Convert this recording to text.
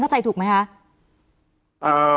เข้าใจถูกไหมคะ